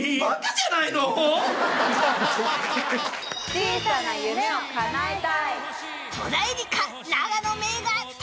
小さな夢を叶えたい。